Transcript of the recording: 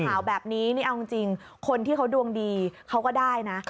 ข่าวแบบนี้นี่เอาจริงคนที่เขาดวงดีเขาก็ได้นะ